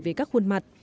về các khuôn mặt